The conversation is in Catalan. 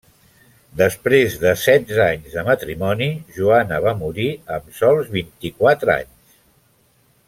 Després de setze anys de matrimoni, Joana va morir amb sols vint-i-quatre anys.